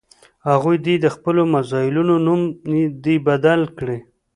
هغوی دې د خپلو میزایلونو نوم دې بدل کړي.